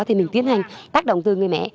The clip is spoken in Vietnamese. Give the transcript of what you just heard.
thì mình tiến hành tác động từ người mẹ